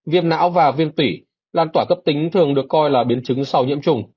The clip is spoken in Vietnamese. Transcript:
viêm não và viêm tủy lan tỏa cấp tính thường được coi là biến chứng sau nhiễm trùng